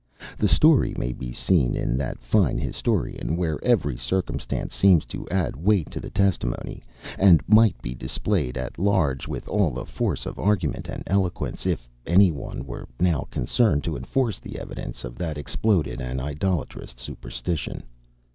The story may be seen in that fine historian; where every circumstance seems to add weight to the testimony, and might be displayed at large with all the force of argument and eloquence, if any one were now concerned to enforce the evidence of that exploded and idolatrous superstition.